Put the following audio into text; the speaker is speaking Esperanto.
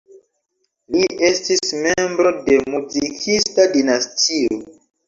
Li estis membro de muzikista dinastio.